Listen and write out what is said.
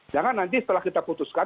jangan nanti setelah kita putuskan